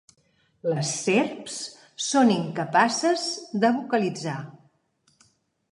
Les serps són incapaces de vocalitzar.